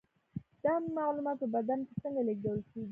دا معلومات په بدن کې څنګه لیږدول کیږي